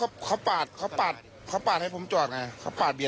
แล้วบอกว่าเขาว่าไงครับตอนนี้